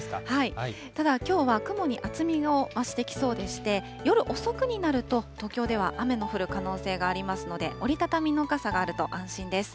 ただ、きょうは雲に厚みを増してきそうでして、夜遅くになると、東京では雨の降る可能性がありますので、折り畳みの傘があると安心です。